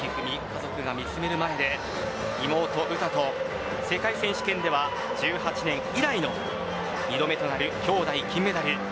家族が見詰める前で妹、詩と世界選手権では１８年以来の２度目となるきょうだい金メダル。